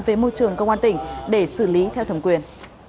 về môi trường công an tỉnh để xử lý theo thẩm quyền